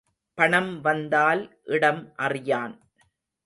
பணம் வந்தால் இடம் அறியான்.